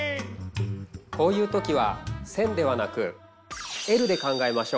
こういう時は線ではなくＬで考えましょう。